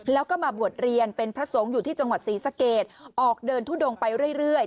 แล้วก็มาบวชเรียนเป็นพระสงฆ์อยู่ที่จังหวัดศรีสะเกดออกเดินทุดงไปเรื่อย